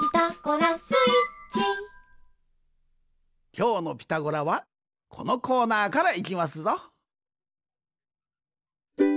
きょうの「ピタゴラ」はこのコーナーからいきますぞ。